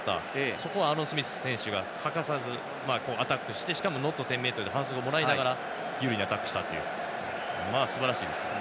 そこをアーロン・スミス選手が欠かさずアタックしてしかもノット１０ｍで反則をもらってアタックしたということですばらしいです。